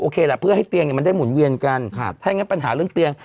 แหละเพื่อให้เตียงเนี่ยมันได้หมุนเวียนกันครับถ้าอย่างงั้นปัญหาเรื่องเตียง